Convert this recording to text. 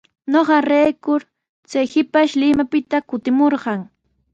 Ñuqarayku chay shipash Limapita kutimurqan.